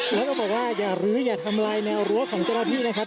แล้วก็บอกว่าอย่ารื้ออย่าทำลายแนวรั้วของเจ้าหน้าที่นะครับ